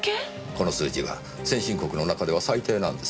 この数字は先進国の中では最低なんですよ。